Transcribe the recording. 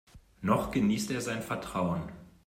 Noch genießt er sein Vertrauen.